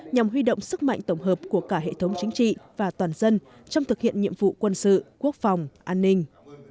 nhằm huy động sức mạnh tổng hợp của cả hệ thống chính trị và toàn dân trong thực hiện nhiệm vụ quân sự quốc phòng an ninh